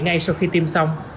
ngay sau khi tiêm xong